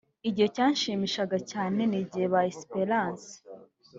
Igihe cyanshimishaga cyane ni igihe ba Espérance